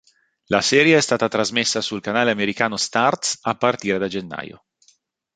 La serie è stata trasmessa sul canale americano Starz a partire da gennaio.